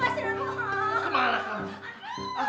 lepaskan aku ah